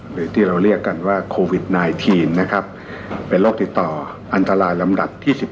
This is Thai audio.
หรือที่เราเรียกกันว่า